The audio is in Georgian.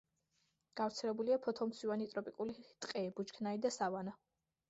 გავრცელებულია ფოთოლმცვივანი ტროპიკული ტყე, ბუჩქნარი და სავანა.